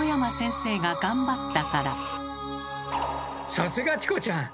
さすがチコちゃん！